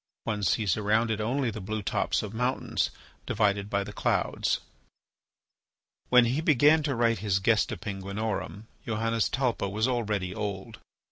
One sees around it only the blue tops of mountains, divided by the clouds. When he began to write his "Gesta Penguinorum," Johannes Talpa was already old.